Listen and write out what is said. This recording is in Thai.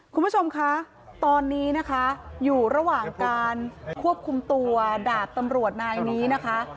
คุณผู้ชมคะตอนนี้นะคะอยู่ระหว่างการควบคุมตัวดาบตำรวจนายนี้นะคะ